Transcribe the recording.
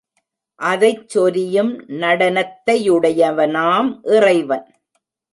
அதைச் சொரியும் நடனத்தையுடையவனாம் இறைவன்.